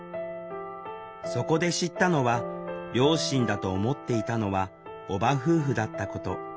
そこで知ったのは両親だと思っていたのは叔母夫婦だったこと。